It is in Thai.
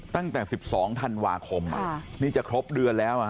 ตั้งแต่๑๒ธันวาคมนี่จะครบเดือนแล้ว